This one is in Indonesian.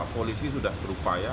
polisi sudah berupaya